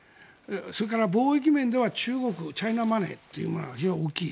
それから貿易面では中国チャイナマネーというものが非常に大きい。